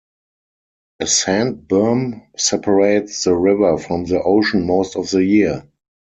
A sand berm separates the river from the ocean most of the year.